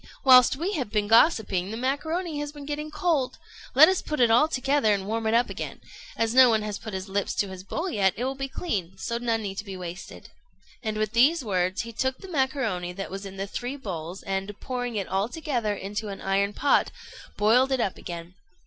whilst we have been gossiping, the macaroni has been getting cold. Let us put it all together and warm it up again. As no one has put his lips to his bowl yet, it will all be clean; so none need be wasted." And with these words he took the macaroni that was in the three bowls, and, pouring it altogether into an iron pot, boiled it up again.